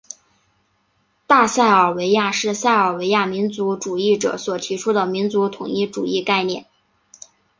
大塞尔维亚是塞尔维亚民族主义者所提出的民族统一主义概念。